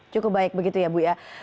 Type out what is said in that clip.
cukup baik begitu ya bu ya